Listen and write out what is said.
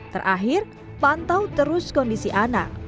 terakhir pantau terus kondisi anak